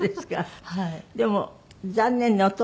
でも残念ね。